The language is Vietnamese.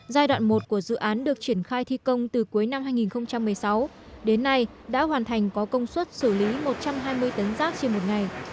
giai đoạn một của dự án được triển khai thi công từ cuối năm hai nghìn một mươi sáu đến nay đã hoàn thành có công suất xử lý một trăm hai mươi tấn rác trên một ngày